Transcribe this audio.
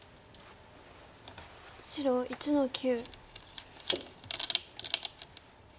白１の九。